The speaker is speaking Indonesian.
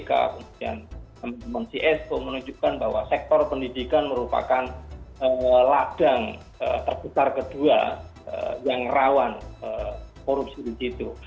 keputusan mncs menunjukkan bahwa sektor pendidikan merupakan ladang terputar kedua yang rawan korupsi di situ